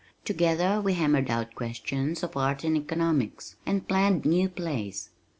Together we hammered out questions of art and economics, and planned new plays.